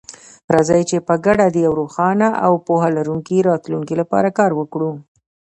راځئ چې په ګډه د یو روښانه او پوهه لرونکي راتلونکي لپاره کار وکړو.